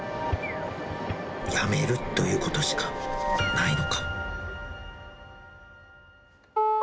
やめるということしかないのか。